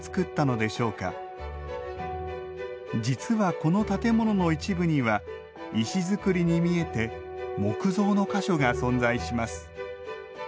実はこの建物の一部には石造りに見えて木造の箇所が存在します